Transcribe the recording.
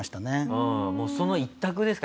もうその一択ですか？